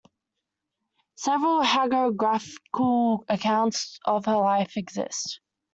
Several hagiographical accounts of her life exist.